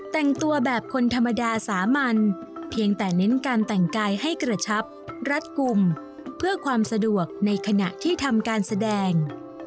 แต่งตัวแบบคนธรรมดาสามัญเพียงแต่เน้นการแต่งกายให้กระชับรัดกลุ่มเพื่อความสะดวกในขณะที่ทำการแสดง